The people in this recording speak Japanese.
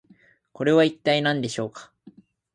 これは一体何でしょうか？